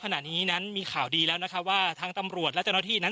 ขณะนี้นั้นมีข่าวดีแล้วนะคะว่าทางตำรวจและเจ้าหน้าที่นั้น